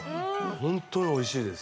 ホントにおいしいです